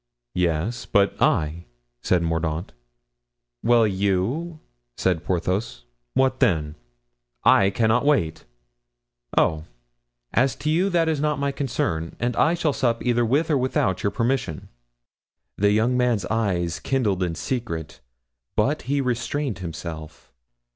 "Yes, but I?" said Mordaunt. "Well, you," said Porthos, "what then?" "I cannot wait." "Oh! as to you, that is not my concern, and I shall sup either with or without your permission." The young man's eyes kindled in secret, but he restrained himself.